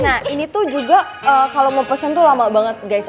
nah ini tuh juga kalau mau pesen tuh lama banget guys